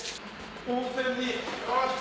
温泉におし！